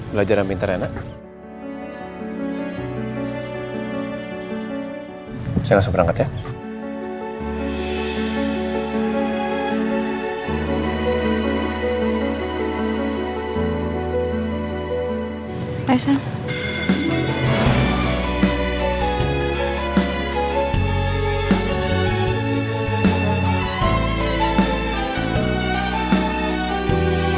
belajar yang pintar ya nak